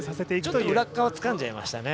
ちょっと裏側、つかんじゃいましたね。